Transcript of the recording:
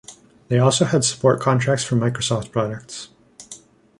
They also had support contracts for Microsoft products.